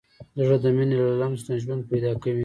زړه د مینې له لمس نه ژوند پیدا کوي.